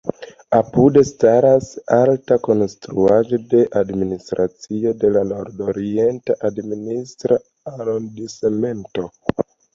Apude staras alta konstruaĵo de administracio de la Nord-Orienta administra arondismento.